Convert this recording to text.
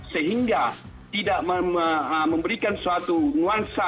sehingga tidak memberikan suatu nuansa